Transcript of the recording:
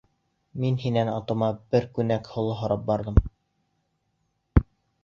Мин һинән атыма бер күнәк һоло һорап барҙым!